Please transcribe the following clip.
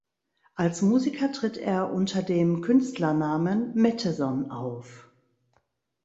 Als Musiker tritt er unter dem Künstlernamen Metteson auf.